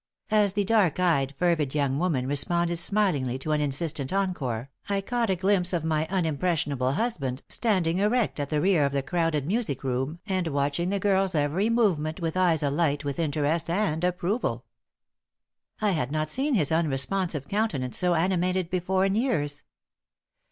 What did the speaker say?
As the dark eyed, fervid young woman responded smilingly to an insistent encore, I caught a glimpse of my unimpressionable husband, standing erect at the rear of the crowded music room and watching the girl's every movement with eyes alight with interest and approval. I had not seen his unresponsive countenance so animated before in years.